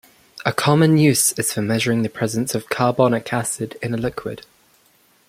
A common use is for measuring the presence of carbonic acid in a liquid.